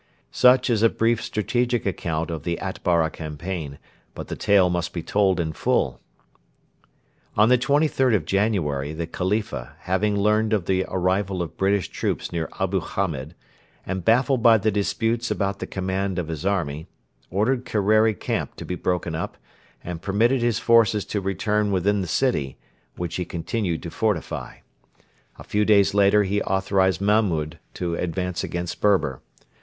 Such is a brief strategic account of the Atbara campaign; but the tale must be told in full. On the 23rd of January the Khalifa, having learned of the arrival of British troops near Abu Hamed, and baffled by the disputes about the command of his army, ordered Kerreri camp to be broken up, and permitted his forces to return within the city, which he continued to fortify. A few days later he authorised Mahmud to advance against Berber.